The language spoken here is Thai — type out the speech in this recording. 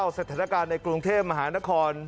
สถานการณ์ในกรุงเทพมหานคร